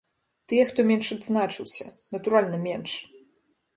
Тыя, хто менш адзначыўся, натуральна, менш.